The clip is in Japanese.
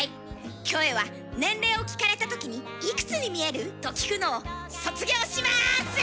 キョエは年齢を聞かれたときに「いくつに見える？」と聞くのを卒業します！